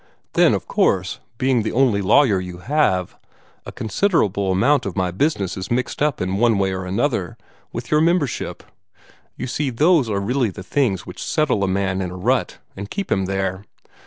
Then, of course, being the only lawyer you have, a considerable amount of my business is mixed up in one way or another with your membership; you see those are really the things which settle a man in a rut, and keep him there."